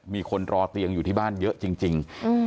มีคนรอเตียงอยู่ที่บ้านเยอะจริง